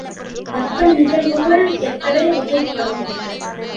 வெப்ப நிகழ்வுகள் எத்தனை வகைப்படும்?